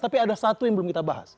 tapi ada satu yang belum kita bahas